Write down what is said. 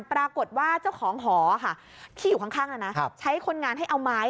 ปรากฏว่าเจ้าของหอค่ะที่อยู่ข้างใช้คนงานให้เอาไม้